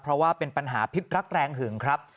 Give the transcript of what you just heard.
เพราะว่าเป็นปัญหาพิษรักแรงหึงครับ